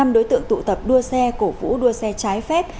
năm đối tượng tụ tập đua xe cổ vũ đua xe trái phép